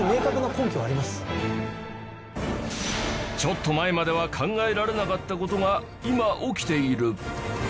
ちょっと前までは考えられなかった事が今起きている